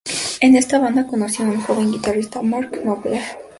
En esta banda conoció a un joven guitarrista, Mark Knopfler.